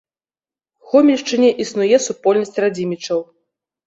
Гомельшчыне існуе супольнасць радзімічаў.